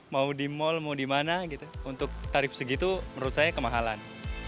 mau di mall mau di mana gitu untuk tarif segitu menurut saya kemahalan